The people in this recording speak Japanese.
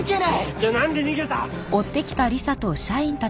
じゃあなんで逃げた？